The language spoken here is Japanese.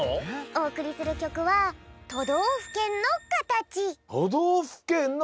おおくりするきょくは「都道府県の」。